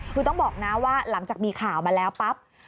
คือต้องบอกนะว่าหลังจากมีข่าวมาแล้วปั๊บ